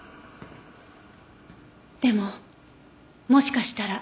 でももしかしたら。